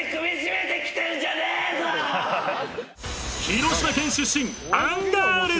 ［広島県出身］